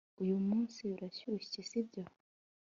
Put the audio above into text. uyu munsi birashyushye, sibyo